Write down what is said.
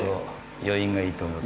余韻がいいと思います。